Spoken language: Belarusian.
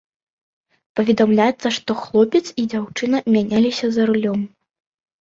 Паведамляецца, што хлопец і дзяўчына мяняліся за рулём.